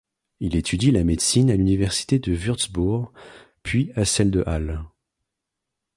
Il étudie la médecine à l’université de Wurtzbourg puis à celle de Halle.